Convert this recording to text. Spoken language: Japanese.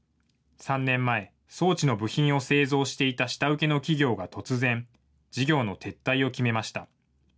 ３年前、装置の部品を製造していた下請けの企業が突然、事業の撤退を決めました。